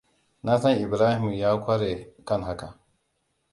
Na san Ibrahim ya kware kan haka.